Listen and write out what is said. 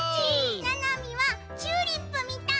ななみはチューリップみたい！